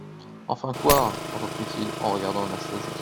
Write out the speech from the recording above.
Enfin, quoi ? reprit-il en regardant Anastasie.